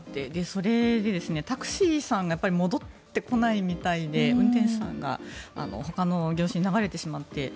それでタクシーさんが戻ってこないみたいで運転手さんがほかの業種に流れてしまって。